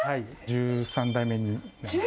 １３代目になります。